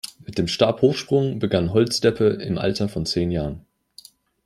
Mit dem Stabhochsprung begann Holzdeppe im Alter von zehn Jahren.